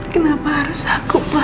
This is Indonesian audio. kenapa harus aku pa